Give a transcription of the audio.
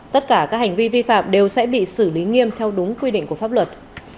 tất cả các hành vi vi phạm đều sẽ bị xử lý nghiêm theo đúng quy định của pháp luật